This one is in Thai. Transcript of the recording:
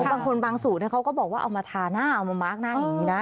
บางคนบางสูตรเขาก็บอกว่าเอามาทาหน้าเอามามาร์คหน้าอย่างนี้นะ